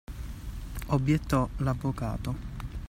Obbiettò l'avvocato.